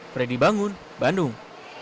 fredy bangun bandung